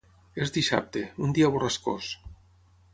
És dissabte, un dia borrascós.